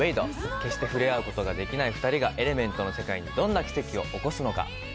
決して触れ合うことができない２人が、エレメントの世界に世界にどんな奇跡を起こすのか。